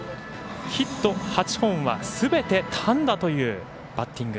ヒット８本はすべて単打というバッティング。